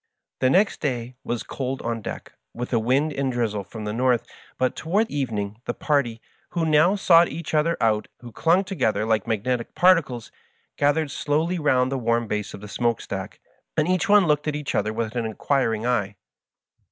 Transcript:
The next day was cold on deck, with a wind and drizzle from the north, but toward evening the party, who now sought each other out and clung together like magnetic particles, gathered slowly round the warm base of the smoke stack, and each one looked at the other with an inquiring eye.